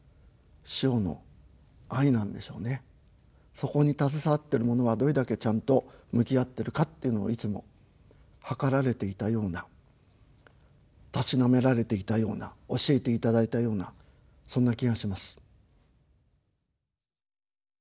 そこに携わってる者がどれだけちゃんと向き合ってるかっていうのをいつもはかられていたようなたしなめられていたような教えていただいたようなそんな気がします。